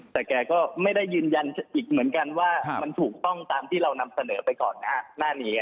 แต่แกก็ไม่ได้ยืนยันอีกเหมือนกันว่ามันถูกต้องตามที่เรานำเสนอไปก่อนหน้านี้